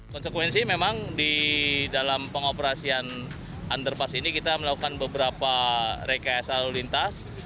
konsekuensi memang di dalam pengoperasian underpass ini kita melakukan beberapa rekayasa lalu lintas